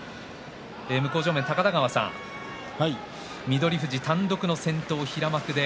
向正面高田川さん翠富士、単独の先頭、平幕で。